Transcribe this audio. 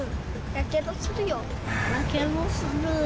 やけどする。